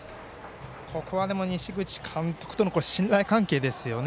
西口監督との信頼関係ですよね。